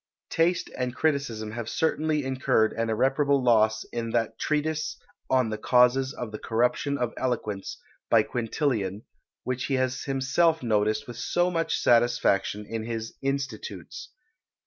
Taste and criticism have certainly incurred an irreparable loss in that Treatise on the Causes of the Corruption of Eloquence, by Quintilian; which he has himself noticed with so much satisfaction in his "Institutes."